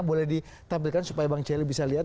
boleh ditampilkan supaya bang celi bisa lihat